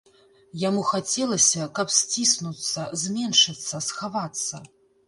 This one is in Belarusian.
Яму хацелася, каб сціснуцца, зменшыцца, схавацца.